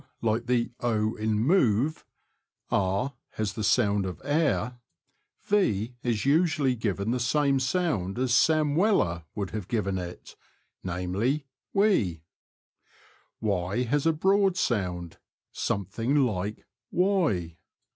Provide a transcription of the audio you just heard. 255 like the o in move ; r has the sound of air ; v is usually given the same sound as Sam Weller would have given it, namely, we ; y has a broad sound, something like v^oi.